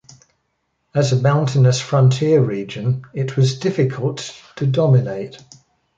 As a mountainous frontier region, it was difficult to dominate.